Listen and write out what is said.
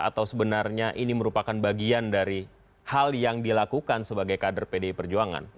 atau sebenarnya ini merupakan bagian dari hal yang dilakukan sebagai kader pdi perjuangan